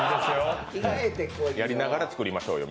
やりながら作りましょうよ。